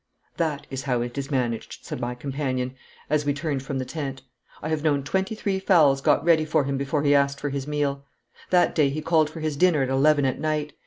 'That is how it is managed,' said my companion, as we turned from the tent. 'I have known twenty three fowls got ready for him before he asked for his meal. That day he called for his dinner at eleven at night.